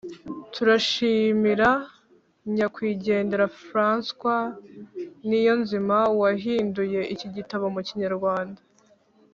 turashimira nyakwigendera francois niyonzima wahinduye iki gitabo mu kinyarwanda,